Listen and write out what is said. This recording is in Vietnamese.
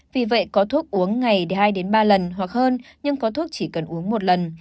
vì vậy có thuốc uống ngày hai ba lần hoặc hơn nhưng có thuốc chỉ cần uống một lần